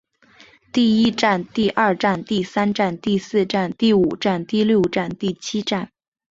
第一战第二战第三战第四战第五战第六战第七战